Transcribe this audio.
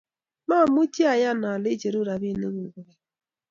mamuchi ayan ale icheru robinik kuk kobek